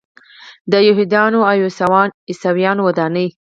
د یهودانو او عیسویانو ودانۍ.